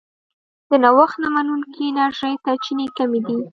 د نوښت نه منونکې انرژۍ سرچینې کمې دي.